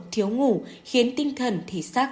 thiếu ngủ khiến tinh thần thỉ sắc